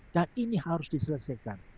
dan ini harus diselesaikan